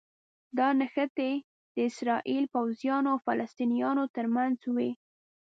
دا نښتې د اسراییلي پوځیانو او فلسطینیانو ترمنځ وي.